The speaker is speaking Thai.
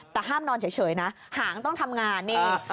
แต่ห้ามนอนเฉยนะหางต้องทำงานนี่